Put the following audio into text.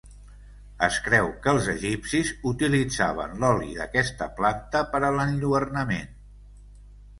Es creu que els egipcis utilitzaven l'oli d'aquesta planta per a l'enlluernament.